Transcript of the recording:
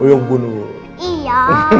oh yang bunuh iya